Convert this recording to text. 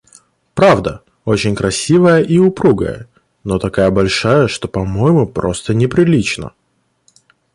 Правда, очень красивая и упругая, но такая большая, что, по-моему, просто неприлично.